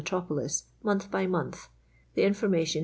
tropolis, month by month, the information h.